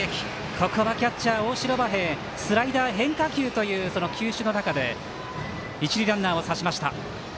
ここのキャッチャー、大城和平スライダー、変化球というその球種の中で一塁ランナーを刺しました。